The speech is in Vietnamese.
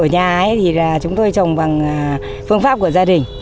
nhà ấy thì là chúng tôi trồng bằng phương pháp của gia đình